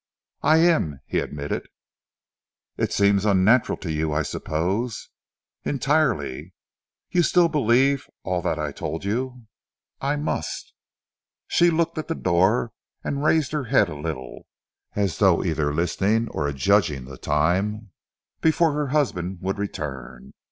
"I am," he admitted. "It seems unnatural to you, I suppose?" "Entirely." "You still believe all that I told you?" "I must." She looked at the door and raised her head a little, as though either listening or adjudging the time before her husband would return.